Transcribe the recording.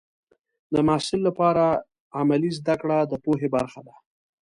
د محصل لپاره عملي زده کړه د پوهې برخه ده.